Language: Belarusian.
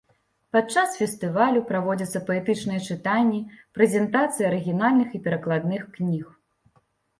Падчас фестывалю праводзяцца паэтычныя чытанні, прэзентацыі арыгінальных і перакладных кніг.